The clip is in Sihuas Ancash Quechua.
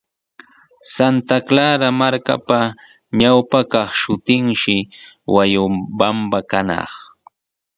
Santa Clara markapa ñawpa kaq shutinshi Huayobamba kanaq.